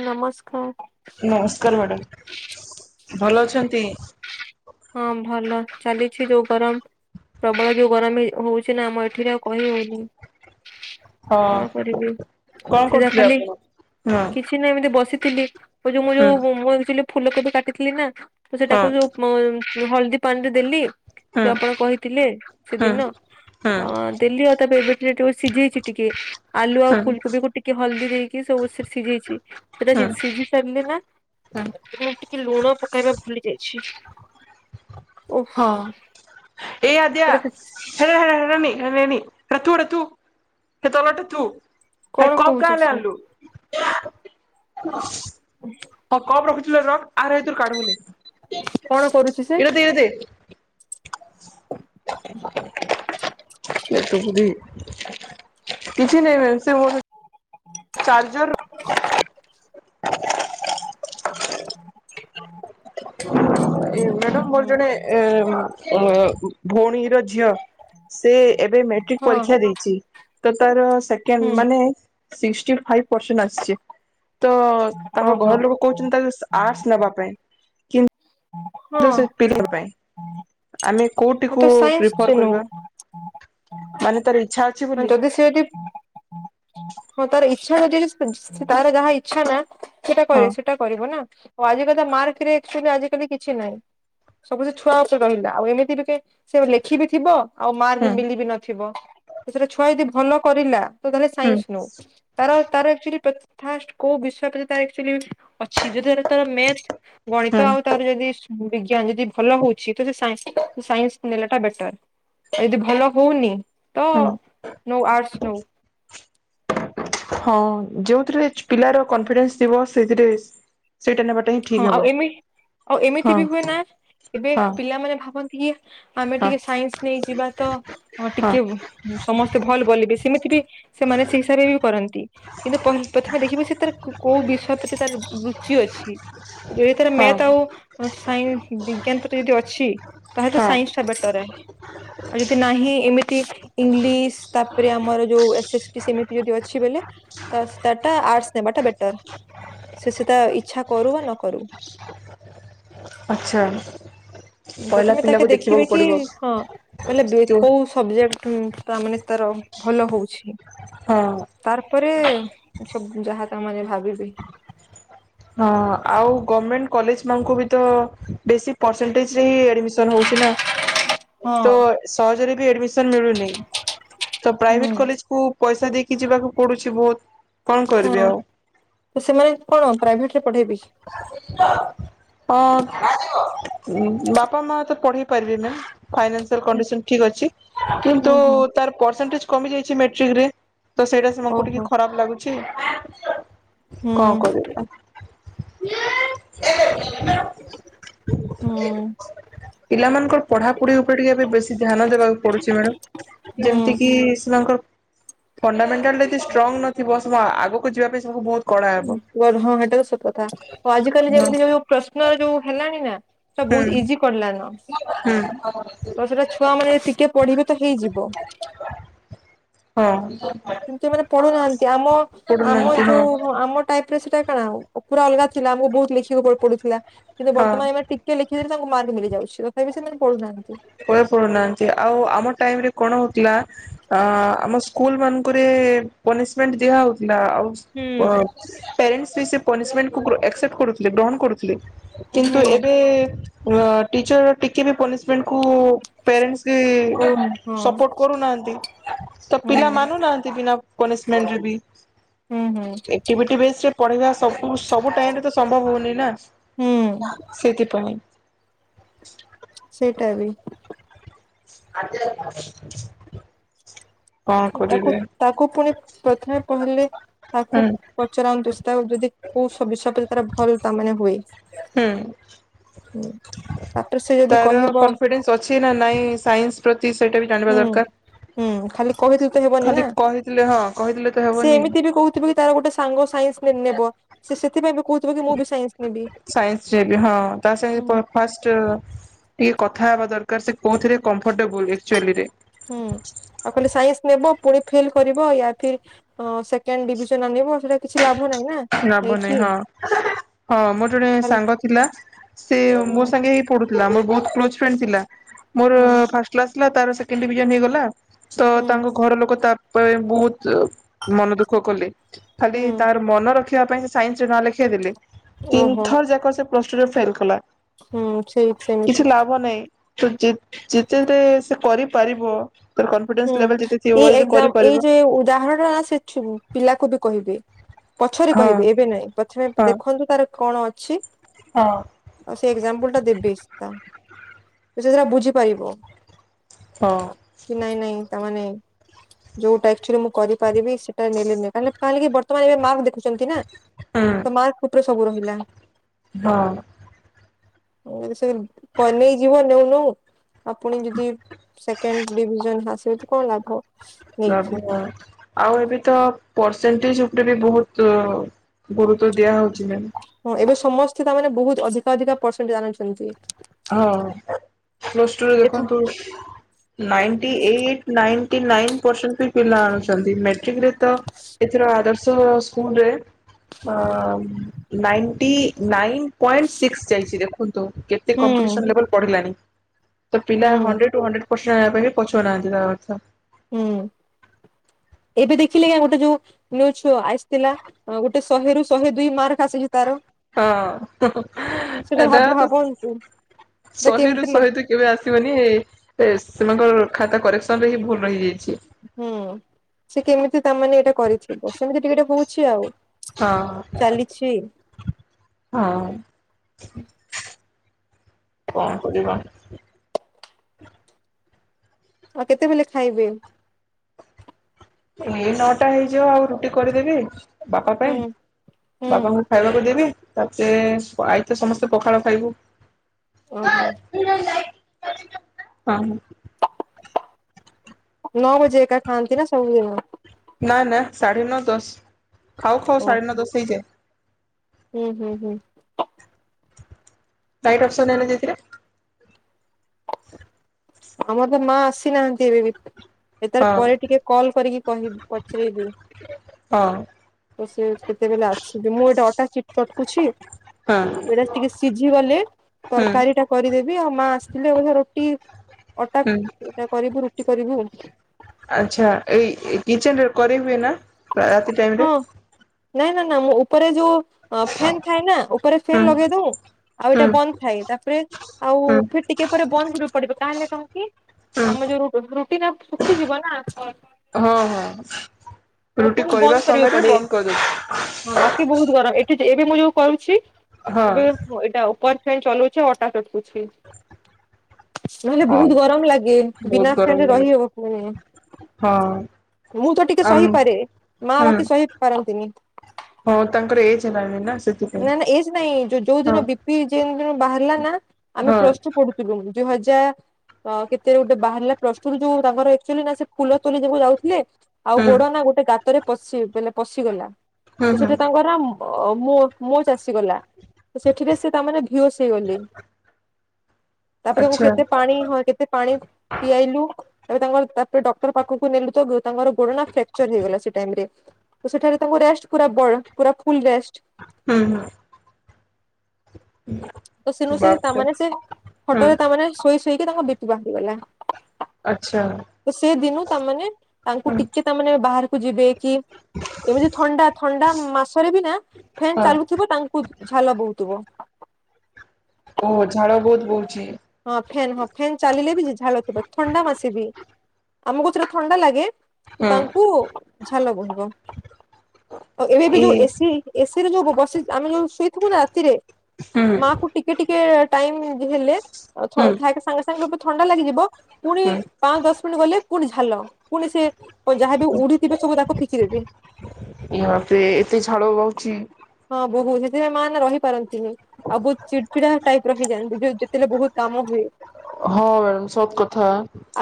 ନମସ୍କାର। ନମସ୍କାର ମାଡ଼ାମ୍ ଭଲ ଅଛନ୍ତି? ହଁ ଭଲ ଚାଲିଛି ଯୋଉ ଗରମ। ପ୍ରବଳ ଯୋଉ ଗରମ ହେଇ ହଉଚିନା ଆମ ଏଠିରେ ଆଉ କହି ହଉନି। କଣ ହଁ କରିବି କଣ ସିଧା କରୁଥିଲେ ଖାଲି ଆପଣ ହଁ। କିଛି ନୁହେଁ ଏମିତି ବସିଥିଲି ମୁଁ ଯୋଉ ମୁଁ ହୁଁ ଯୋଉ ମୁଁ ଆଜି ଚିଲେ ଫୁଲକୋବି କାଟିଥିଲି ନା ମୁଁ ହଁ ସେଟାକୁ ଯୋଉ ମ ହଳଦୀ ପାଣିରେ ଦେଲି ହୁଁ ଆପଣ କହିଥିଲେ ହୁଁ ହୁଁ ସେଦିନ ହୁଁ ଅଁ ଦେଲି ଆଉ ତା [unintelligible] ଏ ଯୋଉ ସିଝେଇଚି ଟିକେ ଆଲୁ ଆଉ ହୁଁ ଫୁଲକୋବିକୁ ଟିକେ ଟିକେ ହଳଦୀ ଦେଇକି ସବୁସେ ସିଝେଇଛି ସେଟା ସି ସିଝି ସାରିଲି ନା! ହୁଁ କେବଳ ଟିକେ ଲୁଣ ପକେଇବା ଭୁଲି ଯାଇଛି। ଓଃ ହଁ ଏ ଆଦ୍ୟା ସେଟା ହେରା ହେରା ହେରାନି ହେରା ନେନି ହେଟା ଥୁ ହେଠେ ଥୁ ହେ ତଲଟା ଥୁ ଆଏ କଣ କପ୍ କହୁଛି କାଁହାଲେ ସେ ଆଣିଲୁ? ହଁ କପ୍ ରଖିଥିଲେ ରଖ୍ ଆରେ ହେତୁରୁ କଢ଼ିବୁ ନେ କଣ କରୁଛି ସେ? ଏରା ଦେ ଏରା ଦେ ଏତେ ପୁରୀ [unintelligible] କିଛି ନାଇଁ ମ୍ୟାମ ସେ ମୋଠୁ [inaudible] [unintelligible] ହୁଁ ମ୍ୟାଡାମ ମୋର ହୁଁ ଜଣେ ଏ ଭଉଣୀର ଝିଅ। ସେ ଏବେ ମେଟ୍ରିକ ହଁ ପରୀକ୍ଷା ଦେଇଚି ତ ତାର ସେକେଣ୍ଡ ହୁଁ ମାନେ ଶିଷ୍ଟି ଫାଇପ ପରସେଣ୍ଟ ଆସିଚି ତୋ ଓହୋ ତାଙ୍କ ଘରଲୋକ କହୁଛନ୍ତି ତାକୁ ଆର୍ଶ ନେବାପାଇଁ। କିନ୍ ହଁ ଯୋଉ ସେ ପିଲାଙ୍କର ପାଇଁ ଆମେ ମୁଁ ତ କୋଉଟିକୁ ସାଇନ୍ସ ପ୍ରିଫର ନଉ କରିବା? ମାନେ ତାର ଇଚ୍ଛା ଅଛି ମାନେ ବୋଲି ଯଦି ସିଏ ଏଠି। ହଁ ତାର ଇଛା ହଉଚି ଯଦି ତାର ଯାହା ଇଛା ନା ସେଇଟା ହଁ କହିବେ ସେ ସେଟା କରିବନା ଆଜିକାଲି ତ ମାର୍କରେ ଆକ୍ଚୁଆଲି ଆଜିକାଲି କିଛିନାହିଁ। ସବୁ ସେ ଛୁଆ ଉପରେ ରହିଲା ଆଉ ଏମିତି ବି କି ସିଏ ଲେଖିବି ଥିବ ଆଉ ମାର୍କ ହୁଁ ବି ମିଲି ବିି ନଥିବ ସେଟା ଛୁଆ ଯଦି ଭଲ କରିଲା ତ ତାହେଲେ ହୁଁ ସାଇନ୍ସ ନଉ ତାର -ତାର ଆକ୍ଚୁଲି ଫାଷ୍ଟ୍ କଉ ବିଷୟ ତାର ଏକ୍ଚୁଲି ଅଛି ଯାଦ୍ୱାରା ତାର ନେକ୍ସଟ୍ ହୁଁ ଗଣିତ ଆଉ ତାର ଯଦି ବିଜ୍ଞାନ ଯଦି ଭଲ ହଉଚି ତ ସାଇନ୍ସି- ସାଇନ୍ସି ନେଲାଟା ବେଟର୍। ଆଉ ଯଦି ଭଲ ହଉନି ତ ହୁଁ ନଉ ଆର୍ଟ୍ସ ନଉ। ହଁ ଯଉଥିରେ ପିଲାର କନଫିଡେନ୍ସ୍ ଥିବ ସେଇଥିରେ ସେଇଟା ନେବା ହଁ ଆଉ ଏମି- ଆଉ ଏମିତିବି ହୁଏନା ଏବେ ହଁ ପିଲାମାନେ ଭାବନ୍ତି କି ଆମେ ହଁ ଟିକେ ସାଇନ୍ସି ନେଇ ଯିବା ତ ହଁ ଟିକେ ହୁ ସମସ୍ତେ ଭଲ ବୋଲିବେ ସେମିତି ବି ସେମାନେ ସେଇ ହିସାବରେ ବି କରନ୍ତି। କିନ୍ତୁ ପଥ- ପ୍ରଥମେ ଦେଖିବ ସେ ତାର କ-କଉ ବିଷୟ ପ୍ରତି ତାର ରୁଚି ଅଛି। ଯଦି ତାର ମ୍ୟାଥ୍ ହଁ ଆଉ ସାଇନ୍ସି ବିଜ୍ଞାନ ପ୍ରତି ଯଦି ଅଛି ତାହେଲେ ତ ହଁ ସାଇନ୍ସି ବେଟର୍ ଏ ଆଉ ଯଦି ନାହିଁ ଏମିତି ଇଂଲିଶ୍ ତାପରେ ଆମର ଯଉ ଏସ୍ ଏସ୍ ଟି ସେମିତି ଯଦି ଅଛି ବେଲେ ତାର [unintelligible] ଆର୍ଟସ ନେବାଟା ବେଟର୍ ସେ ସେତା ଇଚ୍ଛା କରୁ ବା ନ କରୁ। ଆଚ୍ଛା। ପହିଲା ପ୍ରଥମେ ପିଲାକୁ ତାଠି ଦେଖିବାକୁ ଦେଖିବେ କି ପଡିବ ହଁ ତା ହେଲେ ଦେ- ଯୋଉ କଉ ସ୍ ସବ୍ଜେକ୍ଟ ତା ମାନେ ତାର ଭଲ ହଉଚି। ହଁ। ତାର୍ ପରେ ସବୁ ଯାହା ତା ମାନେ ଭାବିବେ। ହଁ ଆଉ ଗମେଣ୍ଟ୍ କଲେଜ୍ ମାନଙ୍କୁ ବି ତ ବେଶି ପ୍ରଷେଣ୍ଟେଜ୍ ରେ ହିଁ ଆଡ଼ିମି ତୋର ହଉଚି ନା ହଁ ତୋ ସହଜରେ ବି ଆଡ଼ମିଶନ୍ ମିଳୁନି। ତ ହୁଁ। ପ୍ରାଇଭେଟ୍ କଲେଜ୍ କୁ ପଇସା ଦେଇକି ଯିବାକୁ ପଡୁଚି ବହୁତ୍ କଣ କରିବି ହଁ ଆଉ। ତ ସେମାନେ କଣ ପ୍ରାଇଭେଟ୍ ରେ ପଢେଇ ଦେଇଚ୍। ଅ- ବାପା ମାଆ ତ ପଢେଇ ପାରିବେ [unintelligible] ଫାଇନାନ୍ସିଆଲ୍ କଣ୍ଡିସନ୍ ଠିକ୍ ଅଛି କିନ୍ତୁ ଓହୋ ତାର ପ୍ରସେଣ୍ଟେଜ୍ କମି ଯାଇଚି ମେଟ୍ରିକ୍ ରେ ତ ସେଇଟା ସେମାନଙ୍କୁ ଟିକେ ଖରାପ୍ ଲାଗୁଚି। ହୁଁ କଣ୍ କରିବି ଆଉ। ହୁଁ ପିଲାମାନଙ୍କର ପଢ଼ାପଢ଼ି ଉପରେ ଟିକେ ଏବେ ବେଶୀ ଧ୍ୟାନ ଦେବାକୁ ପଡୁଚି ମ୍ୟାଡାମ୍ ହୁଁ ଯେମିତିକି ସେମାନଙ୍କର ଫଣ୍ଡାମେଣ୍ଟାଲ୍ ଯଦି ଷ୍ଟ୍ରଙ୍ଗ୍ ନଥିବ ଆଗକୁ ଯିବା ପାଇଁ ବହୁତ୍ ଉଁ -କୁଆଡୁ ହଁ ହେଟା ତ ସତ କଥା ଆଉ ଆଜିିକାଲି ହଁ ଯେମିତି ଯଉ ପ୍ରଶ୍ନର ଯଉ ହେଲାଣି ନା ସ ହୁଁ ବହୁତ୍ ଇଜି କରଲାନ। ହୁଁ। ତ ସେଟା ଛୁଆ ମାନେ ଟିକେ ପଢ଼ିବେ ତ ହେଇଯିବ। ହଁ କିନ୍ତୁ ଏମାନେ ପଢୁନାହାନ୍ତି ଆମ- ଆମ ପଢୁନାହାନ୍ତି ହଁ ଯଉ ଆମ ଟାଇପ୍ ରେ ସେଟା କଣ ପୁରା ଅଲଗା ଥିଲା ଆମକୁ ବହୁତ ଲେଖିବାକୁ ପଡୁଥିଲା କିନ୍ତୁ ହଁ। ବର୍ତ୍ତମାନ୍ ଏମାନେ ଟି ଟିକେ ଲେଖି ଦେଲେ ତାଙ୍କୁ ମାର୍କ ମିଳିଯାଉଚି ତଥାପି ସେମାନେ ପଢୁନାହାନ୍ତି। ପଏ ପଢୁନାହାନ୍ତି ଆଉ ଆମ ଟାଇମ୍ ରେ କଣ ହଉଥିଲା ଆ- ଆମ ସ୍କ୍ ସ୍କୁଲ୍ ମାନଙ୍କରେ ପନିସିମେଣ୍ଟ୍ ଦିଆ ହଉଥିଲା ଆଉ ହୁଁ ପ ପ୍ୟାରେଣ୍ଟସ୍ ବି ସେ ପନିସିମେଣ୍ଟକୁ ଗ୍ର-ଆକ୍ସେପ୍ଟ କରୁଥିଲେ ଗ୍ରହଣ କରୁଥିଲେ କିନ୍ତୁ ହୁଁ। ଏବେ ଏବେ ଅ- ଟିଚର୍ ଟିକେ ବି ପନିସିମେଣ୍ଟ କୁ ପ୍ୟାରେଣ୍ଟସ୍ କି କହୁନୁ ହଁ ସପୋର୍ଟ କରୁନାହାନ୍ତି। ତ ହୁଁ ପିଲା ମାନୁନାହାନ୍ତି ବିନା ପନିସିମେଣ୍ଟ ବି ହୁଁ ହୁଁ ଏକ୍ଟିଭିଟି ବେସ ପଢେଇବା ସବୁ ସବୁ ଟାଇମ୍ ରେ ତ ସମ୍ଭବ ହଉନି ନା ହୁଁ ସେଇଥିପାଇଁ। ସେଇଟା ବି। [unintelligible] ତାକୁ କରିବେ ତାକୁ ପୁଣି ପ୍ରଥମେ ପହିଲେ। ତାକୁ ହୁଁ ପଚରାନ୍ତୁ ତାଉ ଯଦି କୋଉ ସବୁ ବିଷୟ ତାର ଭଲ ତା ମାନେ ହୁଏ। ହୁଁ। ହୁଁ। ତାକୁ ସେ ଯଦି ତାର କହିବ କନଫିଡେନ୍ସ ଅଛି ନା ନାଇଁ ସାଇନ୍ସି ପ୍ରତି ସେଇଟା ବି ହୁଁ ଜାଣିବା ଦରକାର। ହୁଁ ଖାଲି କହଦେତେ ତ ହେବନି ଖାଲି ନା କହିଥିଲେ ହଁ କହିଥିଲେ ତ ସେ ହେବନି। ଏମିତି ବି କହୁ ଏମିତି ବି ତାର ଗୋଟେ ସାଙ୍ଗ ସାଇସି ନେବେ ନେବ ସେ ସେଥିପାଇଁ ବି କହୁଥିବ କି ମୁଁ ବି ସାଇନ୍ସି ନେବି ସାଇନ୍ସରେ ବି ହଁ ତା ହୁଁ। ସାଙ୍ଗେ ଫାଷ୍ଟ ଟିକେ କଥା ହେବା ଦରକାର ସେ କୋଉଥିରେ କମ୍ଫଟେବୁଲ ଆକ୍ଚୋଲିରେ। ହୁଁ ଆଉ କହିଲେ ସାଇନ୍ସି ନେବ ପୁଣି ଫେଲ୍ କରିବ ୟା ଫି ଅ ସେକେଣ୍ଡ ଡିଭିଜନ ଆଣିବ ସେଇଟା କିଛି ଲାଭ ନାହିଁ ନା ଲାଭ ନାହିଁ ନେଇକି ହଁ ହଁ ମୋର ଜଣେ ଖାଲି ସାଙ୍ଗ ଥିଲା ସେ ହୁଁ ମୋ ସାଙ୍ଗେଏଇ ପଢ଼ୁଥିଲା ମୋର ବହୁତ କ୍ଲୋଜ ଫ୍ରେଣ୍ଡ ଥିଲା। ମୋର ହୁଁ ଫାଷ୍ଟ କ୍ଲାସ୍ ଥିଲା ତାର ସେକେଣ୍ଡ ଡିଭିଜନ ହେଇଗଲା। ତ ହୁଁ ତାଙ୍କ ଘର ଲୋକ ତା ପାଇଁ ବହୁତ ମନ ଦୁଃଖ କଲେ। ଖାଲି ହୁଁ ତାର ମନ ରଖିବା ପାଇଁ ସେ ସାଇନ୍ସ ରେ ନା ଲେଖେଇ ଦେଲେ ତିନି ଓହୋ ଥର ଯାକ ସେ ପ୍ଲସ ଟୁ ରେ ଫେଲ କଲା ହୁଁ ସେଇ କିଛି ସେମିତି ଲାଭ ନାହିଁ। ତୁ ଯେତେ ଯେତେ ସେ କରିପାରିବ ତାର କନଫିଡେନ୍ସ ହୁଁ ଲେଭେଲ ଯେତେ ଥିବ ଏଇ ଯଦି ଏଜାମ କରିପାରିବ ଏଇ ଯ ଉଦାହରଣ ନା ସେ ପିଲାକୁ ବି କହିବେ ପଛରେ ହଁ କହିବି ଏବେ ନାଇଁ ପ୍ରଥମେ ହଁ ଦେଖନ୍ତୁ ତାର କଣ ଅଛି। ହଁ। ଆଉ ସେ ଏକ୍ସାମ୍ପୁଲ ଟା ଦେବି ତ ସେଟା ବୁଝିପାରିବ। ହଁ। କି ନାଇଁ ନାଇଁ ତାମାନେ ଯୋଉଟା ଆକ୍ଚୁଆଲି ମୁଁ କରିପାରିବି ସେଇଟା ନେଲିମି କା କାଁ ହେଲା କି ବର୍ତ୍ତମାନ ଏବେ ମା ଦେଖୁଛନ୍ତି ନା ହଁ। ତ ମା ଉପରେ ସବୁ ରହିଲା। ହଁ। ଯଦି ସେ କନେଇ ଯିବ ନଉନଉ ଆପୁଣି ଯଦି ସେକେଣ୍ଡ [unintelligible] ହାସ କଣ ଲାଭ? ନେଇକି ରାଗନା ଆଉ ଏବେ ତ ପରସେଣ୍ଟେଜ ଉପରେ ବି ବହୁତ ଗୁରୁତ୍ୱ ଦିଆ ହଉଛି ନା ହଁ ଏବେ ସମସ୍ତେ ତାମାନେେ ବହୁତ ଅଧିକା ଅଧିକା ପରସେଣ୍ଟେ ଆଣୁଛନ୍ତି। ହଁ ପ୍ଲସ୍ ଟୁରେ ଏଥ ଦେଖନ୍ତୁ ninety eight ninety nine percent ଫ ପିଲା ଆଣୁଛନ୍ତି। ମେଟ୍ରିକରେ ତ ଏଥର ଆଦର୍ଶ ସ୍କୁଲରେ ଆ ନାଇନଟି ନାଇନ୍ ପଏଣ୍ଟ ସିକ୍ସ ଯାଇଛି ଦେଖନ୍ତୁ କେ କେତେ ହୁଁ କମ୍ପିଟିସନ ଲେବେଲ ବଢ଼ିଲାନି ତ ହୁଁ ପିଲା ହୁଣ୍ଡ୍ରେଡ ଟୁ ହୁଣ୍ଡ୍ରେ ପରସେଣ୍ଟ ଆଣିବା ପାଇଁ ବି ପଛଉନାହାନ୍ତି ତା ଅର୍ଥ ହୁଁ ଏବେ ଦେଖିଲେ ଆଉ ଗୋଟେ ଯୋଉ ନିଉଜ୍ ଆସିଥିଲା ଗୋଟେ ଶହେରୁ ଶହେ ଦୁଇ ମାର୍କ ଆସିଛି ତାର ହଁ, ସେଟା ଏଟା ଭାବ ତ ଭାବନ୍ତୁ ସେଟା ଶହେ ରୁ କେମିତି ମା ଶହେ ଦୁ ଦୁଇ କେବେ ଆସିବନି, ସେମାନଙ୍କର ଖାତା କରେକ୍ସନ ରେ ହିଁ ଭୁଲ ରହିଯାଇଚି। ହୁଁ, ସେ କେମିତି ତାମାନେେ ଏଇଟା କରିଥିବ, ସେମିତି ଟିକେ ଟିକେ ହଉଚି ଆଉ। ହଁ। ଚାଲିଛି ହଁ, କଣ କରିବା? ଆଉ କେତେବେଳେ ଖାଇବେ? ଏ ନଅଟା ହେଇଯିବ ଆଉ, ରୁଟି କରିଦେବି ବାପା ହୁଁ ପାଇଁ, ହୁଁ ବାପାଙ୍କୁ ଖାଇବାକୁ ଦେବି। ତାପରେ, ଆଇ ତ ସମସ୍ତେ ପଖାଳ ଖାଇବୁ। ଓହୋ। ହଁ ହ। ନଅ ବଜେ ଏକା ଖାଆନ୍ତି ନା ସବୁଦିନ? ନା ନା, ସାଢ଼େ ନଅ ଦଶ, ଖାଉ ଖାଉ ସାଢ଼େ ନଅ ଓହୋ। ଦଶ ହେଇଯାଏ। ହୁଁ ହୁଁ ହୁଁ। ରାଇଟ ଅପ୍ସନ୍ ହେଲେ ଯେ ଥିରେ ଆମର ତ ମା ଆସିନାହାନ୍ତି ଏବେ ବି ଏ ତାର ହଁ ପରେ ଟିକେ କଲ୍ କରିକି କହି ପଚାରିବି। ହଁ ତ ସେ କେତେବେଳେ ଆସିବେ, ମୁଁ ଏଠି ଅଟା ଚି ଚ କୁଛି, ହଁ ଏଇଟା ଟିକେ ସିଝି ଗଲେ ହୁଁ ତରକାରୀଟା କରିଦେବି, ଆଉ ମା ଆସିଥିଲେ ବୋଧେ ରୁଟି ଅଟା ହୁଁ ଅଟା କରିବୁ ରୁଟି କରିବୁ। ଆଛା, ଏଇ କିଚେନ ରେ କରେ ହୁଏ ନା, ରାତି ଟାଇମ ହଁ, ରେ ନାଇଁ ନା ନା, ମୁଁ ଉପରେ ଯୋଉ ଫ୍ୟାନ ଥାଏ ନା, ଉପରେ ହୁଁ ଫ୍ୟନ୍ ଲଗେଇ ଦଉ। ଆଉ ଏଇଟା ହୁଁ ବନ୍ଦ ଥାଏ, ତାପରେ, ଆଉ ହୁଁ। ଫିର ଟିକେ ପରେ ବନ୍ଦ କରିବାକୁ ପଡିବ, କାଁଲେ କଣ କି? ହୁଁ ଆମ ଯୋଉ ରୁଟି ଟା ଶୁଖିଯିବ ନା? ହଁ ହଁ। ରୁଟି ପୁଣି ବନ୍ଦ କରିବା କରିବାକୁ ସମୟରେ ପଡେ, ବନ୍ଦ କରିଦଉଛି ହଁ ବାକି ବହୁତ ଗରମ, ଏଠି ଏବେ ମୁଁ ଯୋଉ କରୁଛି ହଁ। ଏବେ ଏଇଟା ଉପର ଫ୍ୟାନ ଚଲଉଚି ଆଉ ଅଟା ଚଟକୁଛି। ନହେଲେ ହଁ ବହୁତ ଗରମ ଲାଗେ, ବହୁତ ବିନା ଫ୍ୟାନ ଗରମ ରେ ଲାଗେ ରହିହବ ମାନେ ହଁ। ମୁଁ ତ ଟିକେ ଆମ ସହିପାରେ, ମା ହୁଁ ବା ସହି ପାରନ୍ତିନି। ହଁ ତାଙ୍କର ଏଜ ହେଲାଣି ନା, ସେ ନା ନା, ଏସ ନାଇଁ, ଯୋଉ ଦିନ ବି ପି ଯେଉଁ ଦିନ ବାହାରିଲା ନା, ଆମେ ହଁ ପ୍ଲସ ଟୁୁ ପ [unintelligible] ଆଉ କେତେରେ ଗୋଟେ ବାହାରିଲା ପ୍ଲସ ଟୁ ରୁ, ଯୋଉ ତାଙ୍କର ଆକ୍ଚୁଆଲି ନା ସେ ଫୁଲ ତୋ ଯ ଯାଉଥିଲେ ଆଉ ହୁଁ ଗୋଡ ନା, ଗୋଟେ ଗାତରେ ପଶି ବୋଇଲେ ପଶିଗଲା, ହୁଁ ତ ହୁଁ ସେଠି ତାଙ୍କର ମୁ ମୁଁ ମୋ ଚସିଗଲା, ସେଠିରେ ସେ ତାମାନେ ଭେସ ହେଇଗଲେ। ତାପରେ ମୁ ଆଚ୍ଛା କେତେ ପାଣି, ହଁ କେତେ ପାଣି ପିଆଇଲୁ ଏ ତାଙ୍କର ତାପରେ ଡକ୍ଟର ପାଖକୁ ନେଲୁ ତ, ତାଙ୍କର ଗୋଡନା ଫ୍ରାକ୍ଚର ହେଇଗଲା ସେଇ ଟାଇମରେ। ତ, ସେଠାରେ ତାଙ୍କୁ ରେଷ୍ଟ ପୁରା ବଡ, ପୁରା ଫୁଲ ରେଷ୍ଟ। ହୁଁ ହୁଁ। ହୁଁ। ତ ସ ନୁ ସେ, ବାପରେ ତାମାନେ ସେ, ହଟୋରେ ତାମାନେେ ଶୋଇ ଶୋଇକି, ତାଙ୍କ ବିଟ ବାଙ୍କିଗଲା। ଆଛା। ତ ସେ ଦିନୁ ତାମାନେ ତାଙ୍କୁ ଟିକେ ତାମାନେେ ବାହାରକୁ ଯିବେ କି ଏମିତି ଥଣ୍ଡା ଥଣ୍ଡା ମାସରେ ବି ନା ଫ୍ୟନ୍ ହଁ ଚାଲୁଥିବ ତାଙ୍କୁ ଝାଲ ବହୁଥିବ ଓହୋ ଝାଳ ବହୁତ ବହୁଛି? ହଁ ଫ୍ୟାନ ହଁ ଫ୍ୟନ୍ ଚାଲିଲେ ବି ଝାଳ ଥିବ ଥଣ୍ଡା ମାସେବି ଆମକୁ ଯୋଉଟା ଥଣ୍ଡା ଲାଗେ। ହଁ ତାଙ୍କୁ ଝାଲ ବୁହିବ ଆଉ ଏବେ ଏବେ ଏ ଯୋଉ ଏସି ଏସି ରେ ଯୋଉ ବସି ଆମେ ଯୋଉ ଶୋଇଥିବୁ ନା ରାତିରେ ହୁଁ ମା କୁ ଟି ଟିକେ ଟିକେ ଟାଇମ ହେଲେ ହୁଁ ସାଙ୍ଗେ ସାଙ୍ଗେ ସବୁ ଥଣ୍ଡା ଲାଗିଯିବ ପୁଣି ହୁଁ ପାଞ୍ଚ ଦଶ ମିନିଟ୍ ଗଲେ ପୁଣି ଝାଲ ପୁଣି ସେ ଯାହା ବି ଉଡିିଥିବେ ସବୁ ତାକୁ ଫିକି ଦେବି। ଇ ଆପେ ଏତେ ଝାଳ ବଉଛି ହଁ ବୋହୁ ସେଥିପାଇଁ ମାନେ ରହିପାରନ୍ତିନି। ଆଉ ବହୁତ ଚିଡଚିଡା ଟାଇପ ର ହେଇଯାନ୍ତି ଯୋଉ ଯେତେବେଳେ ବହୁତ କାମ ହୁଏ। ହଁ ମ୍ୟାଡ଼ାମ ସତ କଥା।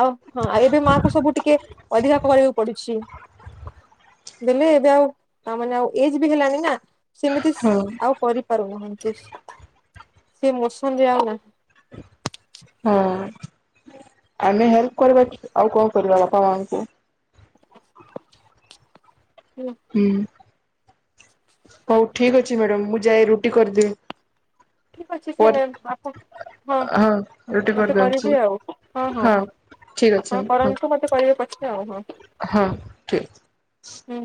ଆଉ ହଁ ଆଉ ଏବେ ମା କ ସବୁ ଟିକେ ଅଧିକା କରିବାକୁ ପଡୁଛି। ବଲେ ଏବେ ଆଉ ତାମାନେ ଆଉ ଏଜ ବି ହେଲାଣି ନା। ସେମିତି ହଁ ଆଉ କରିପାରୁନାହାନ୍ତି ସେ ମସମ ରେ ଆଉ ନାହିଁ। ହଁ ଆମେ ହେଲ୍ପ କରିବା ଆଉ କଣ କରିବା ବାପା ମାଙ୍କୁ। ହୁଁ। ହୁଁ। ହ [unintelligible] ହଉ ଠିକ୍ ଅଛି ମ୍ୟାଡାମ ମୁଁ ଯାଏ ରୁଟି କରିଦେବି। ଠିକ୍ ଅଛି ସେ ପରେ ମ୍ୟାମ୍ ଆପଣ ହଁ। ରୁଟି ମତେ କରିଦଉଛି କରିବେ ଆଉ ହଁ ହଁ ହଁ ଠିକ ଅଛି ଆପଣ ହଁ କରନ୍ତୁ ମତେ କରିବେ ପଛରେ ଆଉ ହଁ। ହଁ ଠିକ୍। ହୁଁ।